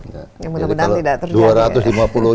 yang mudah mudahan tidak terjual